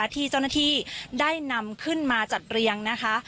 ที่เจ้าหน้าที่ได้นำขึ้นมาจัดเรียงนะคะ